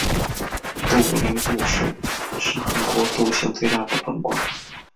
杜陵杜氏是韩国杜姓最大的本贯。